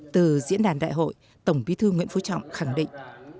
từ diễn đàn đại hội tổng bí thư nguyễn phú trọng khẳng định